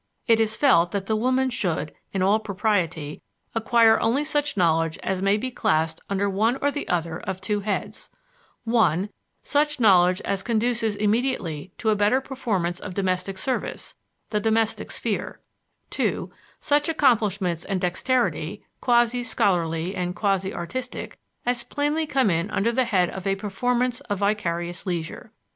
It is felt that the woman should, in all propriety, acquire only such knowledge as may be classed under one or the other of two heads: (1) such knowledge as conduces immediately to a better performance of domestic service the domestic sphere; (2) such accomplishments and dexterity, quasi scholarly and quasi artistic, as plainly come in under the head of a performance of vicarious leisure.